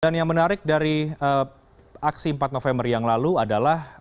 dan yang menarik dari aksi empat november yang lalu adalah